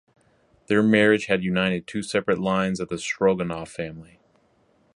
Their marriage had united two separate lines of the Stroganov family.